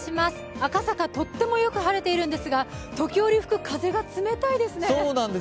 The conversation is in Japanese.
赤坂、とってもよく晴れているんですが、時折吹く風が冷たいですね。